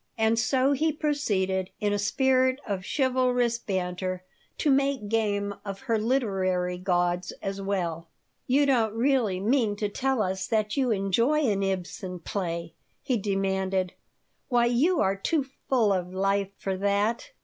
And so he proceeded, in a spirit of chivalrous banter, to make game of her literary gods as well. "You don't really mean to tell us that you enjoy an Ibsen play?" he demanded. "Why, you are too full of life for that."